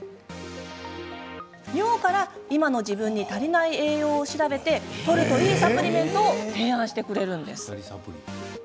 尿から今の自分に足りない栄養を調べてとるといいサプリメントを提案してくれます。